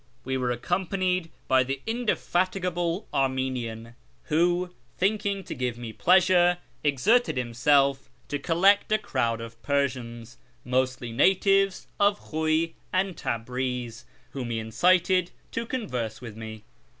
We were accompanied by the indefatigable Armenian, who, thinking to give me pleasure, exerted himself to collect a crowd of Persians (mostly natives of Khi'iy and Tabriz), whom he incited to converse with me.